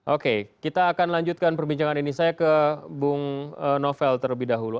oke kita akan lanjutkan perbincangan ini saya ke bung novel terlebih dahulu